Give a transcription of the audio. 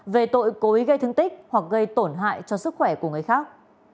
về tội cố ý gây thương tích hoặc gây tổn hại cho sức khỏe của người khác